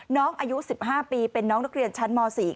น้องอายุ๑๕ปีเป็นน้องนักเรียนชั้นม๔